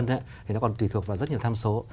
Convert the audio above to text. thì nó còn tùy thuộc vào rất nhiều tham số